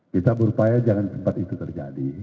kita berupaya jangan cepat itu terjadi